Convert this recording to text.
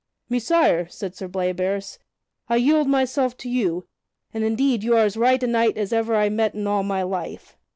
"Messire," said Sir Bleoberis, "I yield myself to you, and indeed you are as right a knight as ever I met in all of my life."